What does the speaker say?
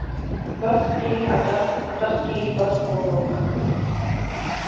Бас киһи атах, атах киһи бас буолуоҕа